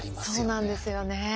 そうなんですよね。